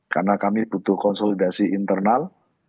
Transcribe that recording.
karena kami butuh konsolidasi internal